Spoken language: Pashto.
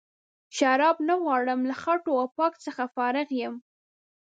شراب نه غواړم له خټو او پاک څخه فارغ یم.